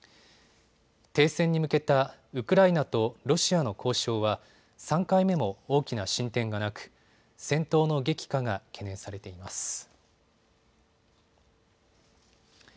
停戦に向けたウクライナとロシアの交渉は３回目も大きな進展がなく戦闘の激化が懸念されています。